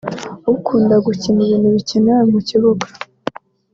ukunda gukina ibintu bikenewe mu kibuga